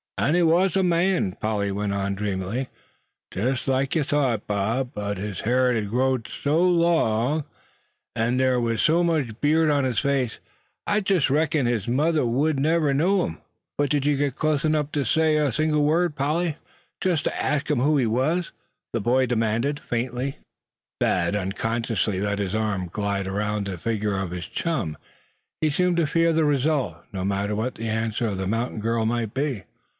"An' he war a man," Polly went on, dreamily; "jest like yuh thought, Bob; but his hair hed growed so long, and thar was so much beard on his face, I jest reckons his own mother wudn't never a knowed 'im." "But did you get close enough to him to say a single word, Polly just to ask him who he was?" the boy demanded, faintly. Thad unconsciously let his arm glide around the figure of his chum. He seemed to fear the result, no matter what the answer of the mountain girl might be.